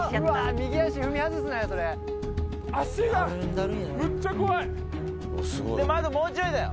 右足踏み外すなよ